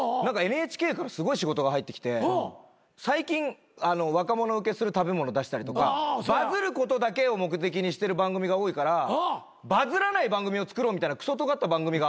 何かＮＨＫからすごい仕事が入ってきて最近若者ウケする食べ物出したりとかバズることだけを目的にしてる番組が多いからバズらない番組を作ろうみたいなクソとがった番組があったんすよ。